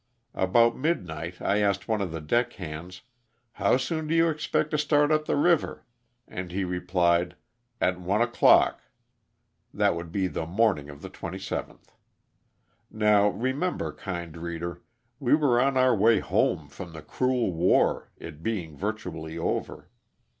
About midnight I asked one of the deck hands, "How soon do you expect to start up the river?" and he replied, ''At one o'clock." That would be the mornins: of the 27th. Now, remember, kind reader, we were on our way home from the cruel war, it being virtually over.